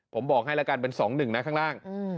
ผมบอกให้แล้วกันเป็น๒๑นะข้างล่าง